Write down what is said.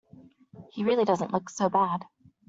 He really doesn't look so bad.